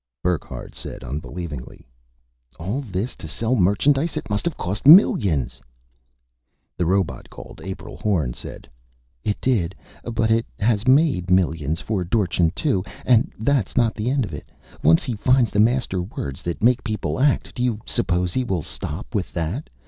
Burckhardt said unbelievingly, "All this to sell merchandise! It must have cost millions!" The robot called April Horn said, "It did. But it has made millions for Dorchin, too. And that's not the end of it. Once he finds the master words that make people act, do you suppose he will stop with that?